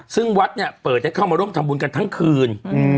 ซึ่งวัดเนี่ยเปิดให้เข้ามาร่วมทำบุญกันทั้งคืน